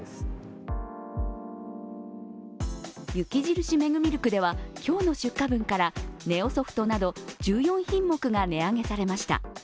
雪印メグミルクでは今日の出荷分からネオソフトなど１４品目が値上げされました。